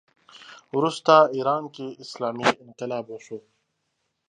وروسته ایران کې اسلامي انقلاب وشو